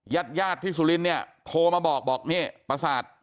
ญาติญาติที่สุรินเนี่ยโทรมาบอกบอกนี่ประสาท